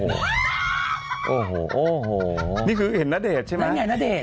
โอ้โหนี่คือเห็นน้าเดชน์ใช่ไหม